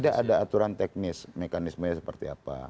tidak ada aturan teknis mekanismenya seperti apa